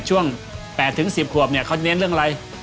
ช่วง๘๑๐ขวบเนี่ยเขาเน้นเรื่องอะไร